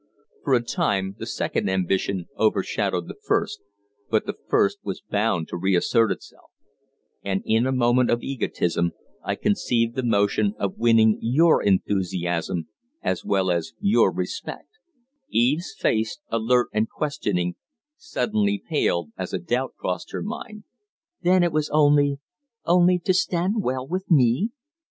For a time the second ambition overshadowed the first, but the first was bound to reassert itself; and in a moment of egotism I conceived the notion of winning your enthusiasm as well as your respect " Eve's face, alert and questioning, suddenly paled as a doubt crossed her mind. "Then it was only only to stand well with me?"